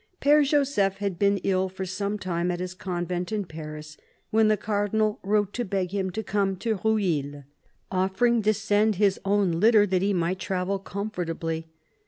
Pere Joseph had been ill for some time at his convent in Paris when the Cardinal wrote to beg him to come to Rueil, offering to send his own litter that he might travel comfortably.